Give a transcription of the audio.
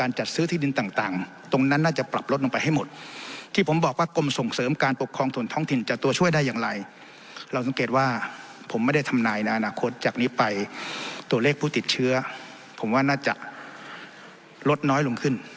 เราสังเกตว่าผมไม่ได้ทำนายในอนาคตจากนี้ไปตัวเลขผู้ติดเชื้อผมว่าน่าจะลดน้อยลงขึ้น